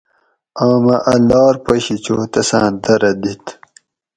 آمہ اَ لار پشی چو تساں درہ دِت